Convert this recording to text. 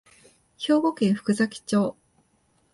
兵庫県福崎町